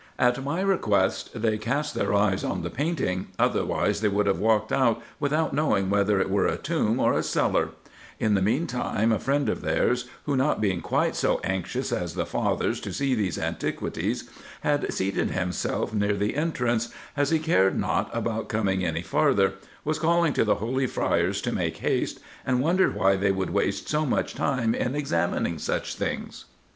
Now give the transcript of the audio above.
At my request they cast their eyes on the painting, otherwise they would have walked out without knowing whether it were a tomb or a cellar : in the mean time a friend of theirs, who not being quite so anxious as the fathers to see these antiquities, had seated himself near the entrance, as he cared not about coming any farther, was calling to the holy friars to make haste, and wondered why they would waste so much time in examining such things.